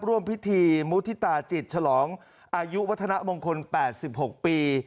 ร่วมพิธีมุฒิตาจิตฉลองอายุวัฒนมงคล๘๖ปี